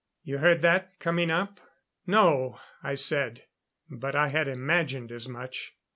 You heard that coming up?" "No," I said; but I had imagined as much.